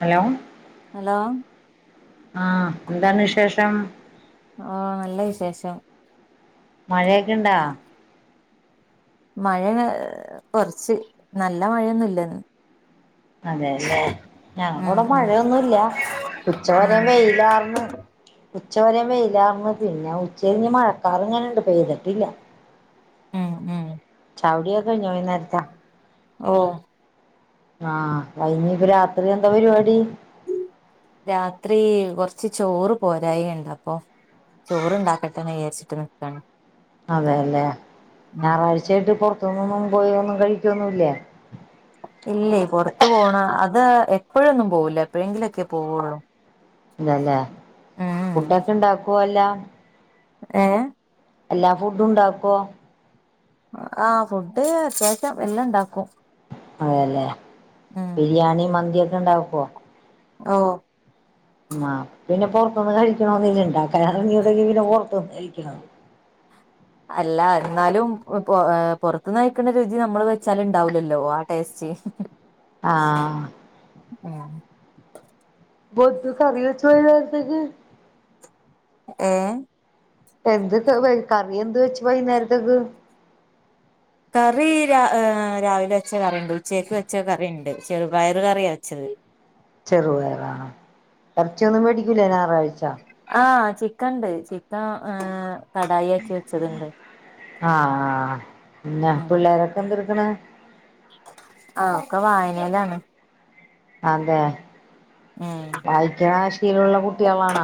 Hello hello ആഹ് എന്താണ് വിശേഷം ഓ നല്ല വിശേഷം മഴയെക്കെ ഇണ്ടാ മഴ കൊറച്ച് നല്ല മഴയൊന്നുല്ലന്ന് അതെയല്ലെ ഞങ്ങളിവടെ ഉം മഴയൊന്നുവില്ല്യ ഉച്ചവരെ ഉം വെയിലാർന്ന് ഉച്ചവരെ വെയിലാർന്ന് പിന്നെ ഉച്ചരിഞ്ഞ് മഴക്കാർ ഇങ്ങനെ ഇണ്ട് പെയ്തിട്ടില്ല ഉം ഉം ചായുടിയൊക്കെ കഴിഞ്ഞാ വൈന്നേരത്താ ഓ ആഹ് അയിഞ്ഞി ഇപ്പ രാത്രി എന്താ പരുപാടി രാത്രി കൊറച്ച് ചോറ് പോരായികയൊണ്ട് അപ്പോ ചോറണ്ടാക്കട്ടെ വിചാരിച്ചിട്ട് നിക്കാണ് അതെല്ലെ ഉം ഞാറാഴ്ചായിട്ട് ഇപ്പോ പൊറത്തുനൊന്നും പോയൊന്നും കഴിക്കൊന്നുല്ലെ ഇല്ലേ പൊറത്ത് പോണ അത് എപ്പോഴൊന്നും പോവൂല്ല എപ്പോഴെങ്കിലൊക്കെ പോവുള്ളൂ ഇല്ലല്ലേ ഫുഡൊക്കെ ഇണ്ടാക്കുവോ അ ല്ല ഏഹ് എല്ലാ ഫുഡും ഉണ്ടാക്കോ ആഹ് ഫുഡ് അത്യാവശ്യം എല്ലാം ണ്ടാക്കും. അതെല്ലേ ബിരിയാണി മന്തിയൊ ങ്ങനെ ഇണ്ടാവുപ്പൊ ഓ ഉം ആഹ് പിന്നെപ്പൊ [unintelligible] കഴിക്കണോന്ന് [unintelligible] ഇണ്ടാക്കലാ [unintelligible] പൊറ്ത്ത്ന്ന് കഴിക്ക്ണാ അല്ല എന്നാലും ഓ പൊ ഏ പൊറത്ത്ന്ന് കഴിക്ക്ണ രുചി നമ്മള് വെച്ചാലും ഇണ്ടാവൂലല്ലോ ആ ടേസ്റ്റ് ആഹ് ഉം ബോത്ത് കറിവെച്ചൊ വൈന്നാര്ത്തക്ക് ഏ എന്ത്ത് വെ കറിയെന്ത് വെച്ച് വൈന്നേരത്ത്ക്ക് കറി രാ ഏ രാവിലെ വെച്ച കറിയിണ്ട് ഉച്ചേക്ക് വെച്ച കറിയിണ്ട് ചെറുപയറ് കറിയാ വെച്ചത് ചെറുപയറ എറച്ചിയൊന്നും മേടിക്കൂല്ലെ ഞായറാഴ്ച ആ ചിക്കണ്ട് ചിക്കൻ ആഹ് ആഹ് ആഹ് ആഹ് ണ് ആ ഒക്കെ വായന- ആന്തെ വായിക്കണശീലുള്ള കുട്ടികളാണാ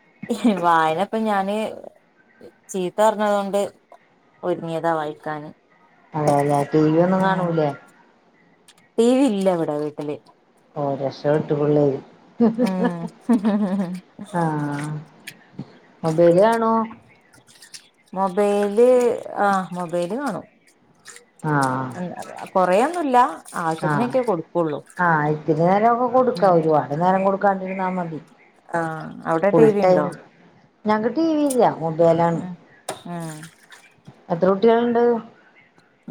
വായന [inaudible] അതേല്ലെ ടി വി ഒന്നും ഉം കാണൂലേ ടി വി ഇല്ലിവിടെ വീട്ടില് ഓ രശപ്പെട്ട് പിള്ളേര് ആഹ് [inaudible] മൊബൈല്കാണോ മൊ ബൈല് ആഹ് മൊബൈല് കാണും ആഹ് കൊറേയൊന്നുല്ല ആഹ് ആവശ്യത്തിനൊക്കെ കൊടുക്കുള്ളൂ ഉം ആഹ് അവിടെ ടി വി ഉണ്ടോ ഞക്ക് ടി വില്ല മൊബൈലാണ് ആ എത്ര കുട്ട്യേളുണ്ട്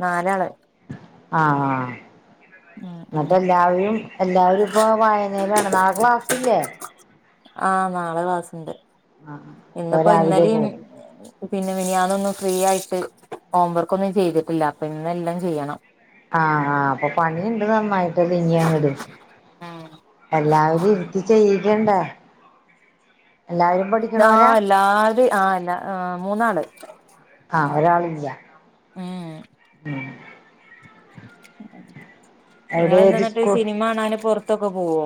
നാലാള് ആഹ് ആഹ് ഉം ഉം എന്നട്ടെല്ലാവരും എല്ലാവരും ഇപ്പ വായനേലാണ് നാളെ ക്ലാസ്സില്ലേ ആഹ് നാളെ ക്ലാസ്ണ്ട് ആഹ് അപ്പൊ ഇന്നിപ്പോ രാവിലെ ഇന്നലേം പോവും പിന്നെ മിനിയാനൊന്നും ഫ്രീ ആയിട്ട് ഹോംവർക്ക് ഒന്നും ചെയ്തിട്ടില്ല അപ്പൊ ഇന്നെല്ലാം ചെയ്യണം ആഹ് ആഹ് അപ്പൊ പണിയൊണ്ട് നന്നായിട്ടത് ആഹ് ആ എല്ലാര് ആ എല്ലാ ആ മൂന്നാള് ഒരാളില്ല്യ ഉഹ് ഉം ഏത് നിങ്ങളെന്താന്നിട്ട് സിനിമണാനും പൊറത്തൊക്കെ പുവോ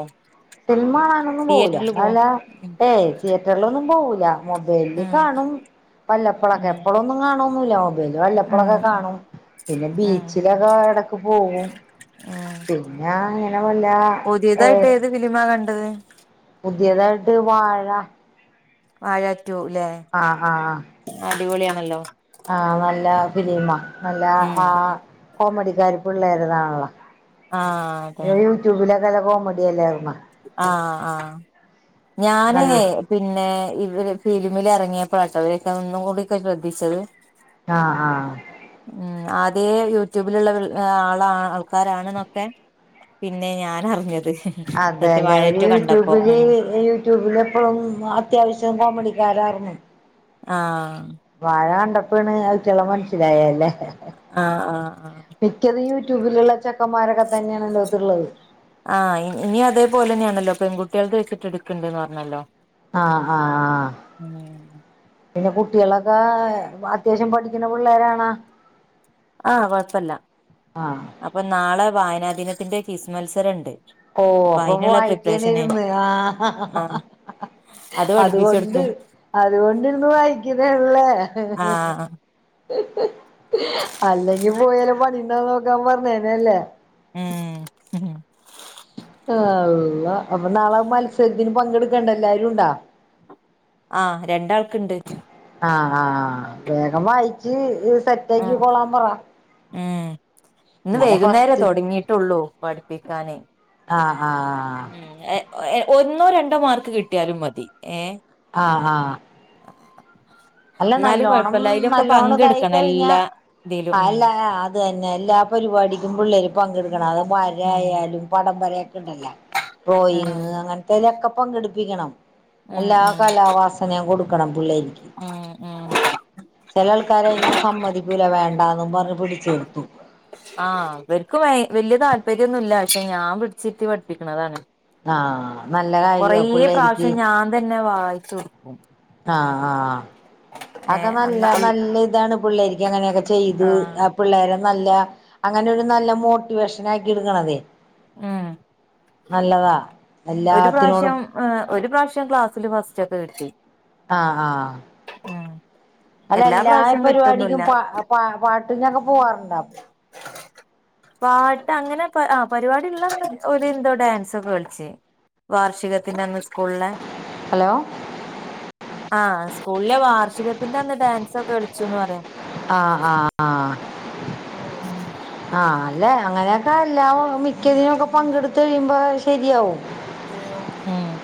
സിൽമകാണാനൊന്നും പോവുല്ല അല ഉം ഏയ് തിയേറ്ററിലൊന്നും പോവൂല്ല ല മൊബൈലിൽ ഉം കാണും പല്ലപ്പഴൊക്കെ ഉം എപ്പഴൊന്നും കാണും [unintelligible] പിന്നെ വെല്ലപ്പളൊക്കെ ഉം കാണും, പിന്നെ ഉം ബീച്ചിലൊക്കെ എടക്ക് പോവും ഉം പിന്നെ അങ്ങനെ വെല്ല ഏ അ പുതിയതായിട്ട് വാഴ ആ പറ്റുല്ലെ അടിപൊളിയാണല്ലോ ആ നല്ല ഫിലിമാ അല്ല ഉം ആ കോമഡിക്കാരി പിള്ളേരുതാണല്ലോ ആ അതെ നല്ല കോമഡി അല്ലായിരുന്നോ ആ ആ ഞാനേ നല്ല പിന്നെ ഇവര് ഫിലിമിൽ ഇറങ്ങിയ ഇപ്പോളാട്ടോ ഇവരൊക്കെ ഒന്നും കൂടിക്കെ ശ്രദ്ധിച്ചത് ആ ആ അതേ യൂട്യൂബിലുള്ള ആ ആൾക്കാരാണെന്നൊക്കെ പിന്നെ ഞാൻ അറിഞ്ഞ അതല്ലേ ഒരു യൂട്യൂബില് ഉം യൂട്യൂബില എപ്പോഴും അത്യാവശ്യം കോമഡിക്കാരരുന്നു ആ വാഴ കണ്ടപ്പണ് അയ്റ്റെളെ മനസ്സിലായല്ലേ ആഹ് ആഹ് ആഹ് ട്യൂബിലുള്ള ചെക്കന്മാരൊക്കെ തന്നെയാണ് ഈൻ്റോത്ത് ഇള്ളത് ആഹ് ഇനി അതേപോലെന്നെയാണല്ലോ പെൺകുട്ടികൾത് വെച്ചിട്ട് എടുക്ക്ണ്ട്ന്ന് പറഞ്ഞല്ലോ ആഹ് ആഹ് ആഹ് ഉം പിന്നെ കുട്ടികളൊക്കെ അത്യാവശ്യം പഠിക്കുന്ന പിള്ളേരാണാ ആഹ് കൊഴപ്പല്ല ആഹ് അപ്പൊ നാളെ വായന വായനാദിനത്തിന്റെ ക്വിസ്സ് മത്സരം ഇണ്ട്. ഓ അപ്പൊ വായിക്കണേയിര്ന്ന് ആ ആഹ് അത് അതുകൊണ്ട് പഠിപ്പിച്ചൊടുക്കും അതുകൊണ്ടിര്ന്ന് വായിക്കണയാണ്ല്ലേ ആഹ് അല്ലെങ്കി പോയാല് പണിയിണ്ടോന്ന് നോക്കാൻ പറഞ്ഞേനെല്ലേ ഉം കൊള്ളാ അപ്പോ നാളെ മത്സരത്തിന് പങ്കെടുക്കേണ്ട എല്ലാരുണ്ടാ ആഹ് രണ്ടാൾക്കുണ്ട് ആഹ് ആഹ് വേഗം വായിച്ച് സെറ്റാക്കി ആഹ് കോളാൻ പറ ഉം ഇന്ന് എന്നാലെ വൈകുന്നേരാ ഫസ്റ്റ് തൊടങ്ങിയിട്ടുള്ളൂ പഠിപ്പിക്കാന് ആ ആഹ് ആഹ് [unintelligible] ഒന്നോ രണ്ടോ മാർക്ക് കിട്ടിയാലും മതി ഏഹ് ആഹ് ആഹ് അല്ല എന്നാലും നല്ലോണം കൊഴപ്പല്ല അയിലൊക്കെ നല്ലോണം ഇതായി പങ്കെടുക്കണം കഴിഞ്ഞ എല്ലാ ഇതിലും ഉം അല്ല അത് തന്നെ എല്ലാ പരിപാടിക്കും പുള്ളേര് പങ്കട് ക്കണം അത്‌ ഉം വരായാലും പടം വരൊക്കെ ണ്ടല്ലൊ ഉം ഡ്രോയിങ് അങ്ങൻതേലൊക്കെ പങ്കെടുപ്പിക്കണം ഉം എല്ലാ ഉം കാലാവാസനയും കൊടുക് ക്കണം പുള്ളേര്ക്കി ഉം ഉം ചെല ആൾക്കാരയ്നൊന്നും സമ്മതിക്കൂല വേണ്ടാന്നും പർഞ് ആ ഇവർക്ക് വല്യ താല്പര്യന്നുല്ല ക്ഷെ ഞാൻ പിട്ച്ചിട്ട് പട്പ്പിക്ണതാണ് ആഹ കൊറേ പ്രാവശ്യം ഞാൻ തന്നെ വായിച്ചു കൊടുക്കും ആഹ ആഹ് അക്കെ ഏഹ് അന്ന് നല്ല നല്ല ഇതാണ് പിള്ളേര്ക്ക് അങ്ങനെയൊക്കെ ചെയ്തു ആഹ് ആ പിള്ളേരെ നല്ല അങ്ങനെ ഒരു നല്ല മോട്ടിവേഷൻ ആക്കി എടുക്കണതെ ആഹ നല്ലതാ എല്ലാത്തിനോടും ഒരു പ്രാവശ്യം ക്ലാസ്സില് ഫസ്റ്റ് ഒക്കെ കിട്ടി ആ ആഹ് ഉം അല്ല എല്ലാ പ്രാവശ്യം പരിപാടിക്കും കിട്ടൊന്നുല്ല പ പ പാട്ട്നൊക്കെ പോവാറുണ്ടോ? പരിപാടില്ലന്ന് ഒരു എന്തോ ഡാൻസൊക്കെ കളിച്ച് വാർഷികത്തിന്റെന്ന് സ് കൂളെ ഹലോ ആ സ് സ്കൂളിലെ വാർഷിക തിന്റെ അന്ന് ഡാൻസ് ഒക്കെ കളിച്ചുന്ന് പറയാം ആ ആ ഉം ആഹ് ആഅല്ലെ അങ്ങനെ ക്കല്ലാം മിക്കതിനും ഒക്കെ പങ്കെടുത്ത് കഴിയുമ്പോ ശരിയാവും ഉം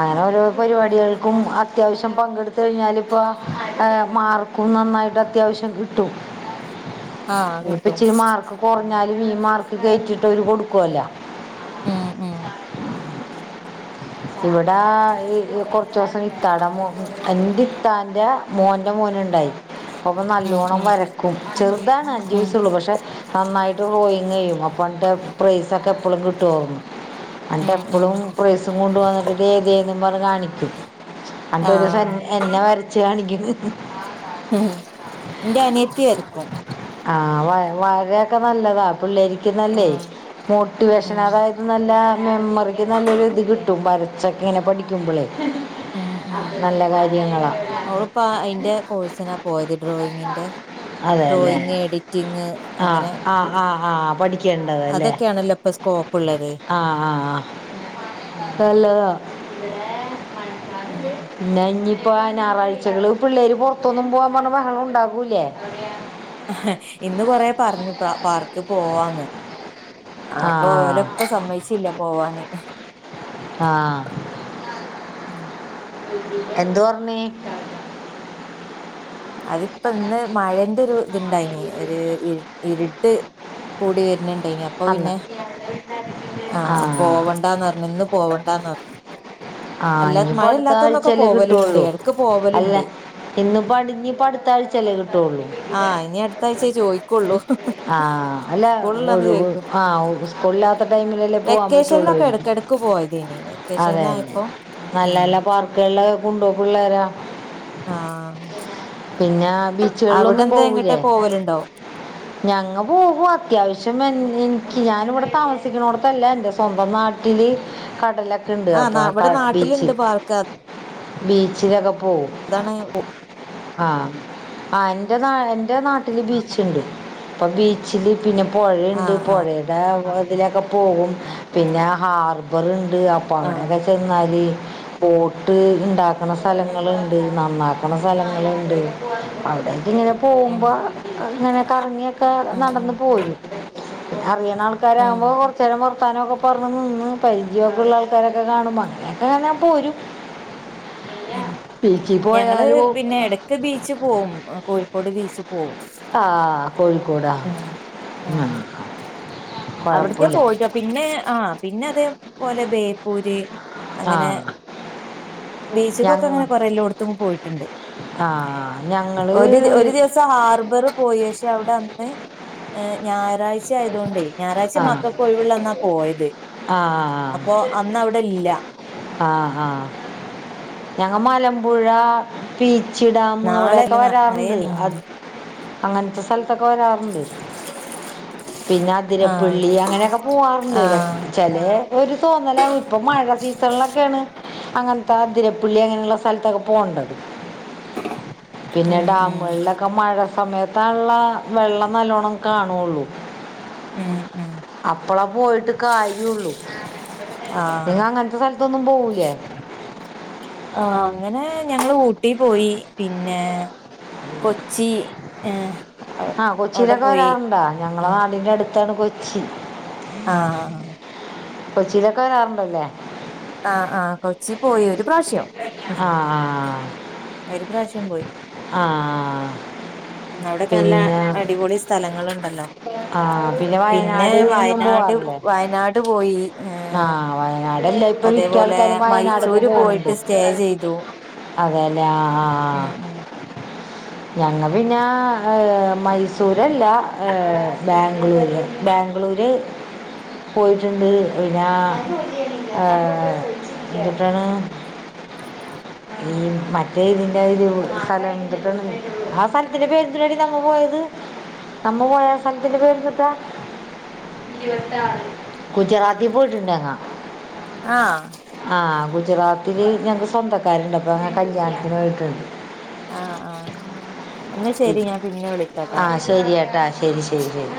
അങ്ങനെ ഓരോ പരിപാടികൾക്കും അത്യാവശ്യം പങ്കെടുത് കഴിഞ്ഞാല് ഇപ്പ അ ആ മാർക്കും നന്നായിട്ട് അത്യാവശ്യം കിട്ടും ആ ഇപ്പ കിട്ടും ഇച്ചിരി മാർക്ക് കൊർഞ്ഞാലീ മാർക്ക് കേറ്റിട്ട് അവര് കൊടുക്കൊല്ലോ ഉം ഉം ഇവിട ഇ ഇ കൊറചൂസം ഇത്താടെ മോ എന്റെ ഇത്താന്റെ മോന്റെ മോന്ണ്ടായി ഒന് ഉം നല്ലോണ്ണം ഉം വരക്കും ചെറുതാണ് അഞ്ചു ഉം വയസുള്ളൂ പക്ഷെ നന്നായിട്ട് ഡ്രോയിങ്ങീയും അപ്പന്ന്ട്ട് പ്രൈസ്സൊക്കെ എപ്പോളും കി ട്ടും അന്ന്ട്ട് ഉം ഉം എപ്പുഴും പ്രൈസും കൊണ്ട് വന്നിട്ട് ദേ ദേ ന്നും പറഞ്ഞ് കാണിക്കും അന്ന്ട്ട് ഒരൂസം എ എന്നെ വര ചാണിക്കണ് ന്റെ അനിയത്തി വര ക്കും ആ വരെക്കെ നല്ലതാ പിള്ളേര്ക്ക് ആ നല്ലേ മോട്ടിവേഷൻ ഉം അതായത് നല്ല മെമ്മറിക്ക് നല്ലൊരു ത് കിട്ടും വര ചൊക്കങ്ങനെ പഠിക്കുമ്പളേ ഉം ഉം നല്ല കാര്യങ്ങളാ അവളിപ്പോ അയിന്റെ കോഴ്സിനാ പോയത് ഡ്രോയിങ്ങിന്റെ അതെ അല്ലേ ഡ്രോയിങ്, എഡിറ്റിങ് ആ അങ്ങനെ ആ ആ ആ പഠി ക്ക്ണ്ടതല്ലേ അതൊക്കെയാണല്ലോ ഇപ്പൊ സ്കോപ്പ് ഉള്ളത് ആ ആ ആ ഉം നല്ലതാ ഉം പിന്നെഞ്ഞി ഇപ്പ ഞാറാഴ്ചകള് പിള്ളേര് പുറത്തൊന്നും പോവാൻ പറഞ്ഞ ബഹളൊന്നു ണ്ടാക്കൂലേ ഇന്ന് കൊറേ പറഞ്ഞു പ പാർക്ക് പോവാന്ന് ആ ആപ്പോ ഓലുപ്പ സമ്മയ്ച്ചില്ല പോവാന് [inaudible] ആ എന്തു പറഞ്ഞി? അതിപ്പോ ഇന്ന് മഴേന്റെ രു ത്ണ്ടായിന് ഒരു ഇര് ഇര്ട്ട് കൂടി വരുന് ണ്ടായിന് അപ്പൊ അന്ന് പിന്നെ ആ പോവണ്ടന്ന് പറഞ്ഞു ഇന്ന് പോവണ്ടാന്ന് പറഞ്ഞു ആ അല്ലാ ഞ്ഞിപ്പോ മഴ ഇല്ലാത്തന്നൊക്കെ അടുത്താഴ്ചല്ലേ പോവലുണ്ട് കിട്ടോള്ളൂ ഇടക്ക് അല്ല പോവലുണ്ട് ഇന്നിപ്പോ പഠി ഞ്ഞിപ്പടുത്താഴ്ചല്ലേ കിട്ടോള്ളൂ ആഹ് ഇനി അടുത്ത ആഴ്ചേ ചോദിക്കുള്ളൂ ആ അല്ല സ്കൂളിള്ളന്ന് ഒഴുവ് ചോദിക്കൂല ആ ഉ ഉസ്കൂളിലാത്ത ടൈമില്ലല്ലേ പൂവാൻ വെക്കേഷനിലൊക്കെ പറ്റുള്ളുയ്നു ഇടക്കിടക്ക് പോയതേനി അതെ അതെ വെക്കേഷനിലായപ്പോ നല്ല നല്ല പർക്കുകളില് കൊണ്ടോ പിള്ളേരേ ആ പിന്നെ ബീച്ചുകളിലൊന്നും പോവൂല്ലേ പോവലുണ്ടോ ഞങ്ങ പോകും അത്യാവശ്യം എൻ എനിക്ക് ഞാൻ ഇവിടെ താമസിക്കുന്നോടത്തല്ല എന്റെ സ്വന്തം നാട്ടില് കടല ക്കെ ഉണ്ട് അപ്പ ആഹ് ഇവിടെ നാട്ടിലുണ്ട് പാർക്ക ബീച്ച്ിലൊക്കെ അതാണ് ഓ ആ ആ എന്റെ നാട്ടില് ബീച്ച ഉണ്ട് അപ്പ ബീച്ചില് പിന്നെ പുഴുണ്ട് ആഹ് ആഹ് പുഴയുടെ [inaudible] ഇവിടെ ഒകെ പോകും പിന്നെ ഹാർബർ അപ്പാവിടെ ആഹ് ക ആരെ [inaudible] അങ്ങന ഉം സ്ഥലങ്ങളുണ്ട് നന്നാ പല സ്ഥലങ്ങളുംുണ്ട് അവിടേക്ക ഇങ്ങനെ ഉം പോകുമ്പോ ഇങ്ങനെ കറങ്ങിയൊക്കെ ആഹ് നടന്ന് ആഹ് പോരും അറിയ ആഹ് ആൾക്കാരെകുമ്പോൾ കുറച്ചുനേരം വർത്താനം പറഞ്ഞ് പുറത്ത് വന്നു നിന്ന് പരിചയമൊക്കെയുള്ള ആൾക്കാരൊക്കെ കാണുമ്പോൾ അങ്ങനെയൊക്കൊ പോരും ഉം ബീച്ചിൽ ഞങ്ങള് പോയാലും പിന്നെ ഇടക്ക് ബീച്ച് പോകവും കോഴിക്ക കോഴിക്കോട് ബീച്ച് പോവും ആഹ ആ ആ അവിടത്തെേ കുഴപ്പമില്ല പോയിട്ടോ പിന്നെ ആഹ പിന്നെ അതേപോലെ ബേപ്പൂര് ആ അങ്ങനെ ബീച്ചക്കൊക്കെ ഞങ്ങ അങ്ങനെ കൊറെ എല്ലോടത്തും പോയിട്ടുണ്ട് ആ ഞങ്ങൾ ഒരു ഒരു ദിവസം ഹാർബർ പോയി പക്ഷെ അവിടെ ഞായറാഴ് [inaudible] ആയതൊണ്ട് ഞായറാഴ്ച ആ മക്കൾക്ക് ഒഴിവള്ളന്നാ പോയത് ആ അപ്പൊ അന്ന് അവിടെ ഇല്ല ഞങ്ങ മലമ്പുഴ പീ പീച്ചി ഡാം അവിടെൊക്കെ നാളെല്ല നറയെ വരാറുണ്ട് മീൻ അങ്ങനത്തെ സ്ഥലത്തൊക്കെ വരാറുണ്ട് പിന്നെ ആഹ് അതിരപ്പള്ളി അങ്ങനെയൊക്കെ പോവാറുണ്ട് ആഹ് ചെില ഒരു തോന്നല ഇപ്പൊ മഴ സീസണിലൊക്കെയാണ് അങ്ങന അതിരപ്പുള്ളി അങ്ങനെയുള്ളള്ള സ്ഥലത്തൊക്കെ പോകേണ്ടത് പിന്നെ ഉം ഉം ഡാമുകളിലൊക്കെ മഴ സമയത് ആണല്ലോ വെള്ളം നിറയെ കാണത്തുള്ളൂ ഉം ഉം അപ്പളാ പോയിട്ട് കാര്യള്ളു ആഹ് നിങ്ങ അങ്ങനത്തെ സ്ഥലത്തൊന്നും പോവുല്ലേ ആഹ് അങ്ങനെ ഞങ്ങള് ഊട്ടി പോയി പിന്നെ കൊച്ചി ഏ ആഹ് കൊച്ചിയിലൊക്കെ വരാറുണ്ടാ ഞങ്ങളെ ആഹ് നാടിന്റെ അടുത്ത് താണുകൊച്ചി ആഹ് കൊച്ചിലെക്കെ വരാറുണ്ടല്ലേ ആഹ ആഹ കൊച്ചി പോയി ഒരു പ്രാവശ്യം ആ പ്രാവശ്യം പോയി ആ ആ അവിടെ നല്ല പിന്നെ അടിപൊളി സ്ഥലങ്ങളുണ്ടല്ലോ ആ പിന്നെ വയനാട് ഒന്നും വയനാട് പോവാറില്ലേ വയനാട് പോയി ആ ഏഹ് വയനാട് എല്ല ഇപ്പൊ മിക്ക അതേപോലെ ആൾക്കാരും വയനാടൊക്കെ മൈസൂര് പോണ്ട് പോയിട്ട് സ്റ്റേ ചെയ്തു അതെല്ലേ ആ ഉം ഞങ്ങ പിന്നെ മൈസൂര് അതല്ല ബാംഗ്ലൂര് ബാംഗ്ലൂര് പോയിട്ടിണ്ട് പിന്നാ ഉം ആ പിന്നെന്താണ് ഈ മറ്റേ ഇതിന്റെ ഇത് സ്ഥലിട്ട ആ സ്ഥലത്തിന്റെ പേരെന്തിരാടി നമ്മൾ പോയത് നമ്മ പോയ സ്ഥലത്തിന്റെ പേര്ന്തുട്ടാ ഗുജറാ അതി പോയിട്ടുണ്ടങ്ങ ആഹ ഗുജറാത്തിൻ ഞങ്ങക്ക് സ്വന്തക്കാരുണ്ട് അപ്പൊ കല്യാണത്തിന് പോയിട്ടുണ്ട് ആ ആ ആ ശരി ട്ടാ ശരി ശരി ശരി